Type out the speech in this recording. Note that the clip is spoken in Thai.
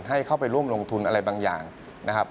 ให้เข้าไปร่วมลงทุนอะไรบางอย่างนะครับ